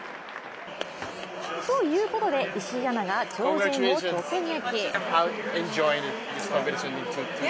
ということで、石井アナが超人を直撃。